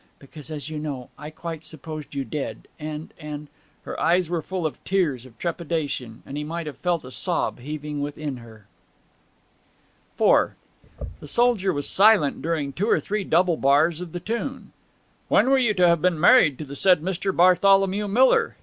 Because, as you know, I quite supposed you dead, and and ' Her eyes were full of tears of trepidation, and he might have felt a sob heaving within her. IV The soldier was silent during two or three double bars of the tune. 'When were you to have been married to the said Mr. Bartholomew Miller?'